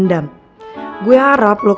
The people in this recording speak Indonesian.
pagi rara yucin